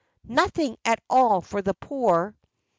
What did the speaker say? "Nothing at all for the poor."